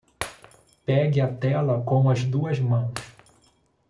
Pegue a tela com as duas mãos